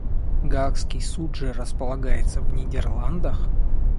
Гаагский Суд же располагается в Нидерландах?